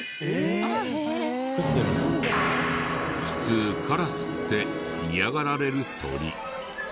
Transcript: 普通カラスって嫌がられる鳥。